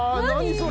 それ。